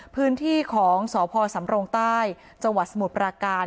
พื้นที่ของสพสำรงใต้จสมุทรประการ